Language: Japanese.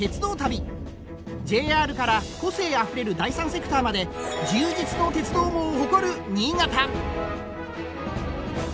ＪＲから個性あふれる第三セクターまで充実の鉄道網を誇る新潟！